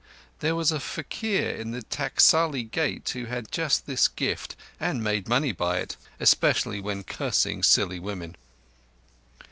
There was a faquir by the Taksali Gate who had just this gift and made money by it, especially when cursing silly women.